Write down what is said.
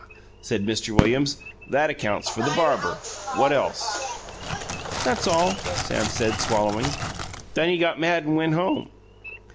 said Mr. Williams. "That accounts for the barber. What else?" "That's all," Sam said, swallowing. "Then he got mad and went home."